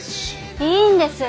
いいんです！